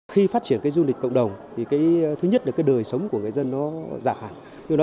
khi phát triển du lịch cộng đồng thứ nhất là đời sống của người dân giả hẳn